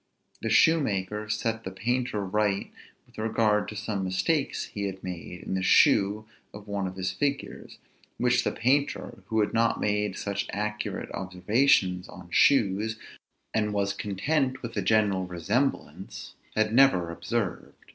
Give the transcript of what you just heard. The shoemaker set the painter right with regard to some mistakes he had made in the shoe of one of his figures, which the painter, who had not made such accurate observations on shoes, and was content with a general resemblance, had never observed.